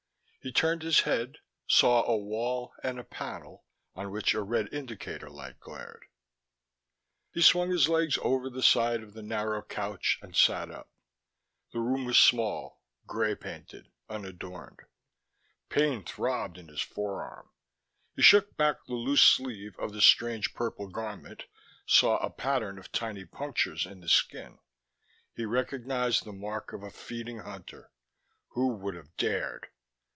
He turned his head, saw a wall and a panel on which a red indicator light glared. He swung his legs over the side of the narrow couch and sat up. The room was small, grey painted, unadorned. Pain throbbed in his forearm. He shook back the loose sleeve of the strange purple garment, saw a pattern of tiny punctures in the skin. He recognized the mark of a feeding Hunter.... Who would have dared?